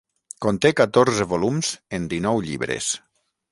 Conté catorze volums en dinou llibres.